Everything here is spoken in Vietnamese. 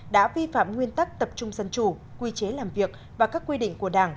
đã vi phạm nguyên tắc tập trung dân chủ quy chế làm việc và các quy định của đảng